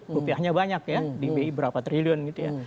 rupiahnya banyak ya di bi berapa triliun gitu ya